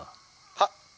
「はっ」。